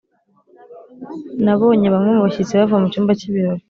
nabonye bamwe mu bashyitsi bava mu cyumba cy'ibirori.